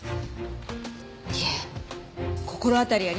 いえ心当たりありませんね。